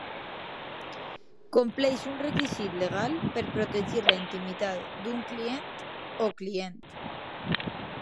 Compleix un requisit legal per protegir la intimitat d'un client o client.